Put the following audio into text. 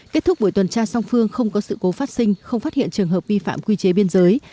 kết thúc buổi tuần tra song phương không có sự cố phát sinh không phát hiện trường hợp vi phạm quy chế biên giới